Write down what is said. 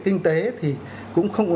kinh tế thì cũng không